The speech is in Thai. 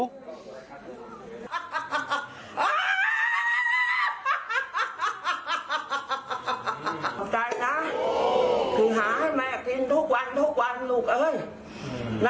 ขอบใจนะขอหาให้แม่กินทุกวันลูกเอ้ย